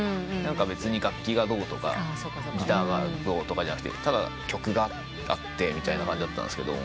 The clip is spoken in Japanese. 別に楽器がどうとかギターがどうとかじゃなくてただ曲があってみたいな感じだったんですけど。